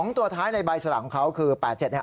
๒ตัวท้ายในใบสลากของเขาคือ๘๗